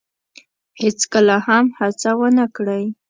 هیڅکله هم هڅه ونه کړی